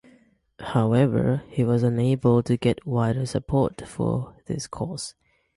However, he was unable to get wider support for this cause.